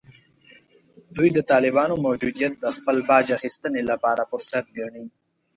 دوی د طالبانو موجودیت د خپل باج اخیستنې لپاره فرصت ګڼي